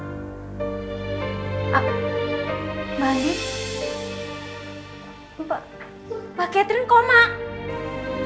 mbak ketri koma